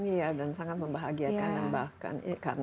iya dan sangat membahagiakan bahkan